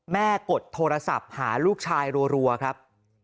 กดโทรศัพท์หาลูกชายรัวครับ